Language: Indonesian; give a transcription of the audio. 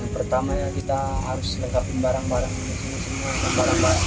pertama kita harus lengkapi barang barang